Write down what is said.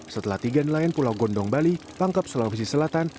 setelah tiga nelayan pulau gondong bali pangkep sulawesi selatan